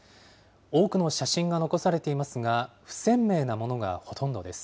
多くの写真が残されていますが、不鮮明なものがほとんどです。